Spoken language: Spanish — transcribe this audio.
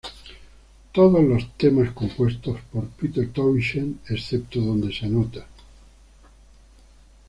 Todas los temas compuestos por Pete Townshend excepto donde se anota.